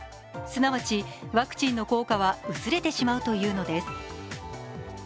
すなわちワクチンの効果は薄れてしまうというのです。